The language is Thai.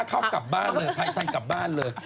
ค่าเข้ากลับบ้านเลยพายซันต์กลับบ้านเลย